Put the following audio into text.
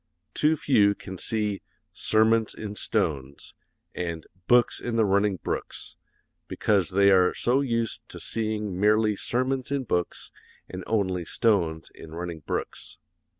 Too few can see 'sermons in stones' and 'books in the running brooks,' because they are so used to seeing merely sermons in books and only stones in running brooks.